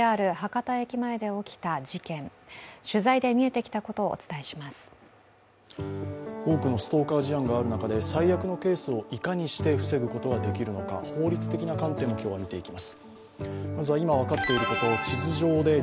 多くのストーカー事案がある中で最悪のケースをいかにして防ぐことはできるのか、法律的な観点を今日は見ていきます。